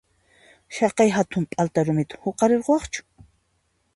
Chaqay hatun p'alta rumita huqarirquwaqchu?